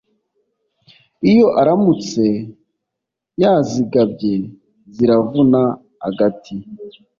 Iyo aramutse yazigabye ziravuna agati,